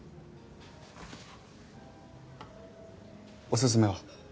おすすめは？